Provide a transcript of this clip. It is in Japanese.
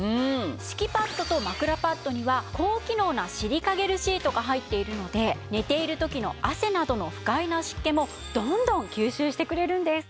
敷きパッドと枕パッドには高機能なシリカゲルシートが入っているので寝ている時の汗などの不快な湿気もどんどん吸収してくれるんです！